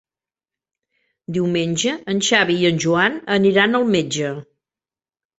Diumenge en Xavi i en Joan aniran al metge.